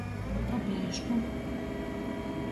Paprīšku.